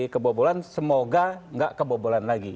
kebobolan semoga gak kebobolan lagi